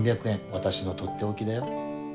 私のとっておきだよ。